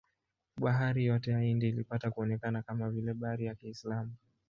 Bahari yote ya Hindi ilipata kuonekana kama vile bahari ya Kiislamu.